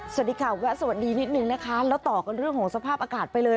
สวัสดีค่ะแวะสวัสดีนิดนึงนะคะแล้วต่อกันเรื่องของสภาพอากาศไปเลย